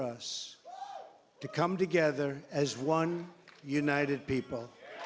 untuk berkumpul sebagai satu orang yang berkumpul